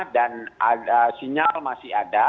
dan ada sinyal masih ada